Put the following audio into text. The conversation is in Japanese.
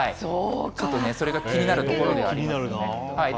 ちょっとそれが気になるところではあります。